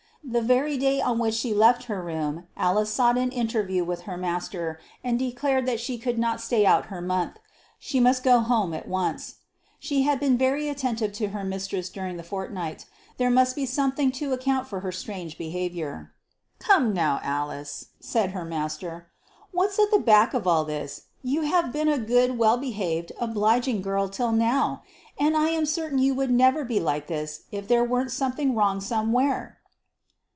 The very day on which she left her room, Alice sought an interview with her master, and declared she could not stay out her month; she must go home at once. She had been very attentive to her mistress during the fortnight: there must be something to account for her strange behaviour. "Come now, Alice," said her master, "what's at the back of all this? You have been a good, well behaved, obliging girl till now, and I am certain you would never be like this if there weren't something wrong somewhere."